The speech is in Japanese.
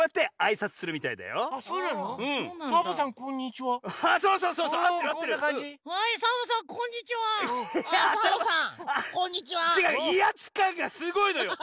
いあつかんがすごいのよ。